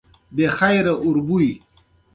خو خوندونه یې بیل دي.